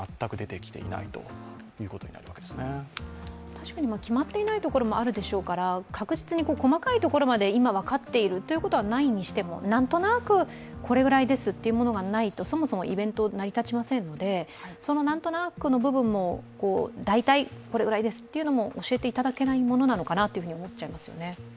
確かに決まっていないところもあるでしょうから確実に細かいところまで今、わかっていることはないにしても何となくこれぐらいですというものがないとそもそもイベントは成り立ちませんので、その何となくの部分も大体これくらいですというのも教えていただけないものなのかなと思っちゃいますよね。